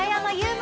馬。